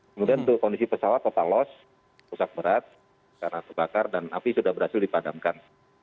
kemudian untuk kondisi pesawat total loss rusak berat karena terbakar dan api sudah berhasil dipadamkan